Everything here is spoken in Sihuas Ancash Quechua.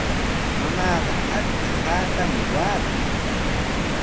Mamaaqa achka haatami waatan.